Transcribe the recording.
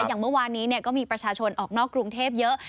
อย่างเมื่อวานนี้ก็มีประชาชนออกนอกกรุงเทพเยอะ